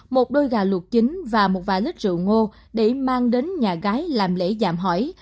một đôi gà luộc chính và một vài lít rượu ngô để mang đến nhà gái làm lễ dạng hỏi